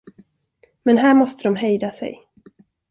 Men här måste de hejda sig.